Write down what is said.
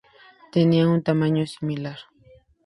Tenía un tamaño similar.